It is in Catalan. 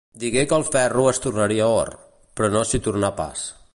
Digué que el ferro es tornaria or, però no s'hi tornà pas.